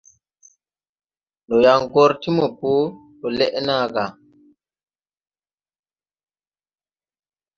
Ndɔ yaŋ gɔr ti mopo ndɔ lɛʼ nàa gà.